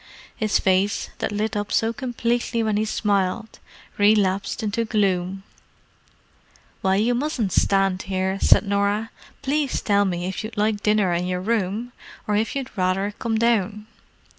His face, that lit up so completely when he smiled, relapsed into gloom. "Well, you mustn't stand here," Norah said. "Please tell me if you'd like dinner in your room, or if you'd rather come down."